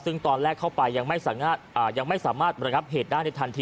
ซึ่งตอนแรกเข้าไปยังไม่สามารถระงับเหตุได้ในทันที